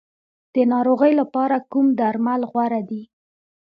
د ناروغۍ لپاره کوم درمل غوره دي؟